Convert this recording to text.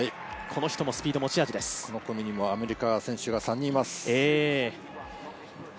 この組にもアメリカの選手が３人います。